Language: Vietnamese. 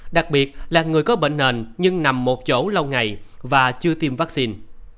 đặc biệt là người có bệnh nền nhưng nằm một chỗ lâu ngày và chưa tiêm vaccine